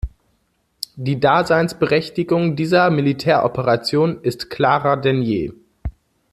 Die Daseinsberechtigung dieser Militäroperation ist klarer denn je.